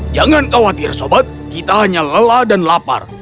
jangan khawatir sobat kita hanya lelah dan lapar